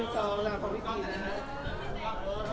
สวัสดีค่ะ